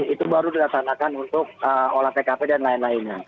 itu baru dilaksanakan untuk olah tkp dan lain lainnya